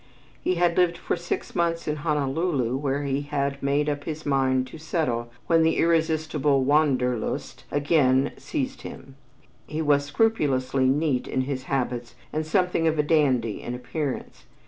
He had lived for six months in Honolulu where he had made up his mind to settle when the irresistible "Wanderlust" again seized him. He was scrupulously neat in his habits and something of a dandy in appearance.